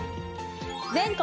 全国